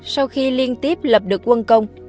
sau khi liên tiếp lập được quân công